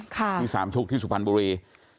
ที่สามชุกที่สุพรรณบุรี